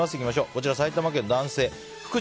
こちら、埼玉県の男性の方。